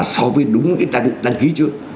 so với đúng cái đăng ký chưa